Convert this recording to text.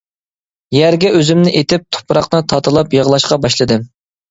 يەرگە ئۆزۈمنى ئېتىپ، تۇپراقنى تاتىلاپ يىغلاشقا باشلىدىم.